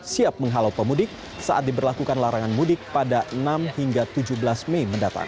siap menghalau pemudik saat diberlakukan larangan mudik pada enam hingga tujuh belas mei mendatang